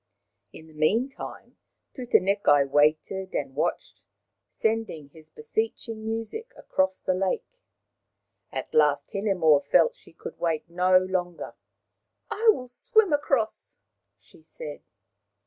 In the meantime Tutanekai waited and watched, sending his beseeching music across the lake. At last Hinemoa felt that she could wait no longer. " I will swim across !" she said.